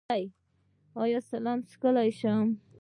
ایا زه چلم څکولی شم؟